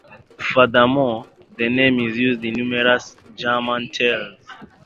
Furthermore, the name is used in numerous German tales.